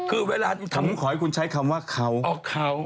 อื้มขอให้คุณใช้คำว่าเขาอ๋อเขา